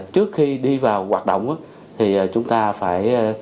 trước khi đi vào hoạt động thì chúng ta phải